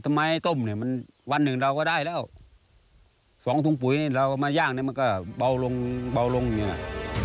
ทำไมต้มเนี่ยมันวันหนึ่งเราก็ได้แล้วสองถุงปุ๋ยนี่เราเอามาย่างเนี่ยมันก็เบาลงเบาลงเนี่ย